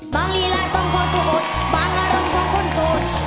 บางนี้ล่ะต้องพอทุกคนบางอารมณ์ต้องพอทุกคนสอง